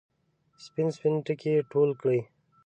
سپین، سپین ټکي ټول کړي